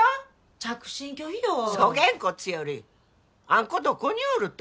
着信拒否よそげんこつよりあん子どこにおると？